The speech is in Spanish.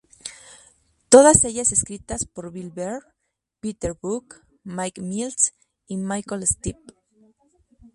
Todas ellas escritas por Bill Berry, Peter Buck, Mike Mills y Michael Stipe.